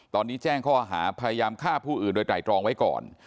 ตอนนี้แจ้งข้อหาพยายามฆ่าผู้อื่นโดยไตรตรองไว้ก่อน